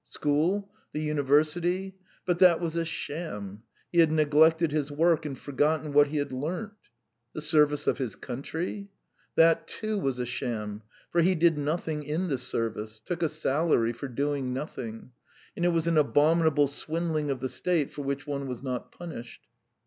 School? The university? But that was a sham. He had neglected his work and forgotten what he had learnt. The service of his country? That, too, was a sham, for he did nothing in the Service, took a salary for doing nothing, and it was an abominable swindling of the State for which one was not punished.